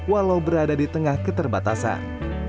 walau berada di tengah keterbatasan